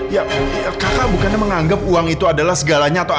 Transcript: ya kakak bukannya menganggap uang itu adalah segalanya